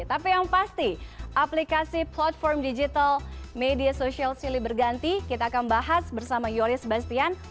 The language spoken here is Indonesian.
tapi yang pasti aplikasi platform digital media sosial silih berganti kita akan bahas bersama yoris bastian